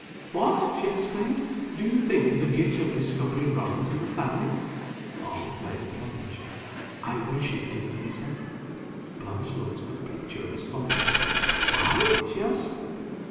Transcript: "What!" she exclaimed, "do you think the gift of discovery runs in the family?" Arnold made a plunge. "I wish it did!" he said. Blanche looked the picture of astonishment. "Why?" she asked.